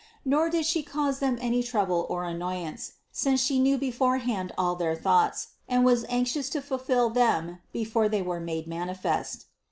Nor did She cause them any trouble or annoyance, since She knew beforehand all their thoughts and was anxious to fulfill them before they were made manifest.